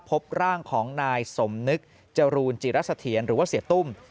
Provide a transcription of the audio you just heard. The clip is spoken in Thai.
พบร่างของนายสมนึกจรูนจิรัสเถียรหรือว่าเสียตุ้ม